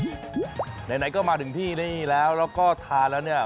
ไหนก็มาถึงที่นี่แล้วแล้วก็ทานแล้วเนี่ย